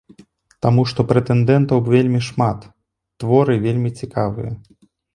Таму што прэтэндэнтаў вельмі шмат, творы вельмі цікавыя.